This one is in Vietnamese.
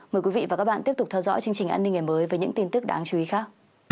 mời quý vị và các bạn tiếp tục theo dõi chương trình an ninh ngày mới với những tin tức đáng chú ý khác